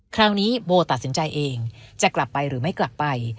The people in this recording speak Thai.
คราวนี้โบตัดสินใจเองจะกลับไปหรือไม่กลับไป